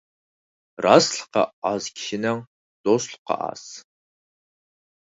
راستلىقى ئاز كىشىنىڭ دوستلۇقى ئاز.